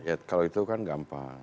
ya kalau itu kan gampang